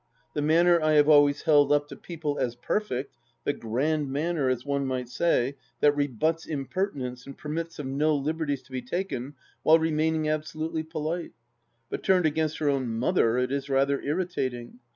The manner I have always held up to people as perfect — ^the grand manner, as one might say, that rebuts impertinence and permits of no liberties to be taken while remaining absolutely polite. But turned against her own mother it is rather irritating.